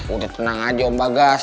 udah tenang aja om bagas